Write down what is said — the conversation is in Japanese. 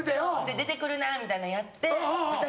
出て来るなみたいなやって。